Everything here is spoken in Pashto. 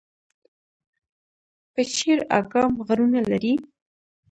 پچیر اګام غرونه لري؟